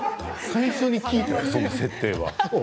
最初に聞いたよその設定は。